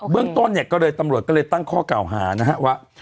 เรื่องต้นเนี่ยก็เลยตำรวจก็เลยตั้งข้อเก่าหานะฮะว่า